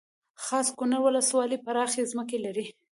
خاص کونړ ولسوالۍ پراخې ځمکې لري